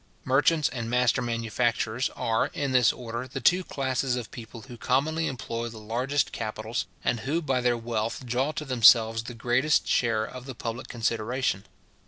Merchants and master manufacturers are, in this order, the two classes of people who commonly employ the largest capitals, and who by their wealth draw to themselves the greatest share of the public consideration.